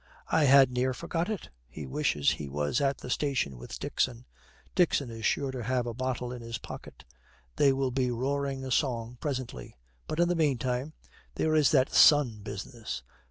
'I had near forgot it.' He wishes he was at the station with Dixon. Dixon is sure to have a bottle in his pocket. They will be roaring a song presently. But in the meantime there is that son business.